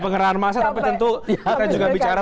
penggerahan masa tapi tentu akan juga bicara